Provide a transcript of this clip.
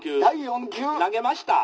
「投げました」。